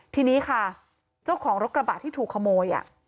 ทีนี้ค่ะเจ้าของรถกระบะที่ถูกขโมย